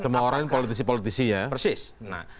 semua orang politisi politisi ya